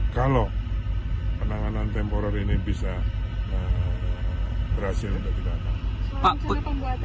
kalau penanganan temporer ini bisa berhasil untuk kita